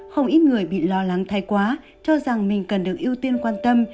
không ít người bị lo lắng thay quá cho rằng mình cần được ưu tiên quan tâm